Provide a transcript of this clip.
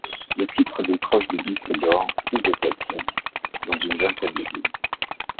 Le titre décroche des disques d'or ou de platine dans une vingtaine de pays.